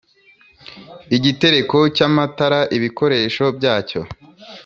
igitereko cy amatara ibikoresho byacyo